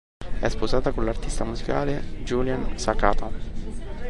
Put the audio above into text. È sposata con l'artista musicale Julian Sakata.